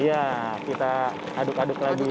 iya kita aduk aduk lagi